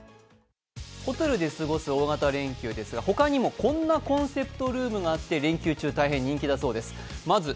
ホテルで過ごす大型連休ですが、他にもこんなコンセプトルームが連休中大変人気だそうです。